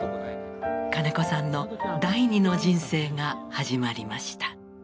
金子さんの第２の人生が始まりました。